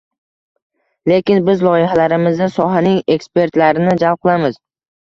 Lekin biz loyihalarimizda sohaning ekspertlarini jalb qilamiz.